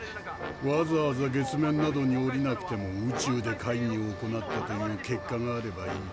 わざわざ月面などに降りなくても宇宙で会議を行ったという結果があればいい。